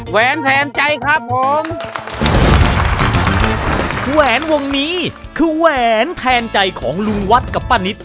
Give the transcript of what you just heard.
แหนแทนใจครับผมแหวนวงนี้คือแหวนแทนใจของลุงวัดกับป้านิต